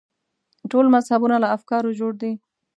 ټول مذهبونه له افکارو جوړ دي.